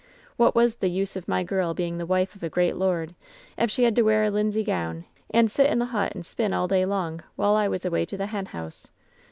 What was the use of my girl being the wife of a great lord, if she had ;o wear a linsey gown, and sit in the hut and spin all Jay long while I was away to the hen house?